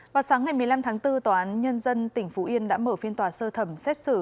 vào sáng ngày một mươi năm tháng bốn tòa án nhân dân tỉnh phú yên đã mở phiên tòa sơ thẩm xét xử